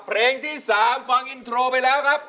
เพลงที่๓ฟังอินโทรไปแล้วครับ